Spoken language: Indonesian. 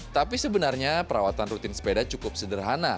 tapi sebenarnya perawatan rutin sepeda cukup sederhana